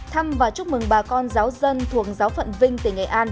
thăm và chúc mừng bà con giáo dân thuộc giáo phận vinh tỉnh nghệ an